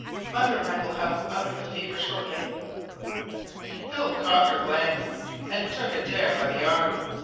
Mother and I will have him out of the fever shortly." Philip caught her glance, and took Adare by the arm.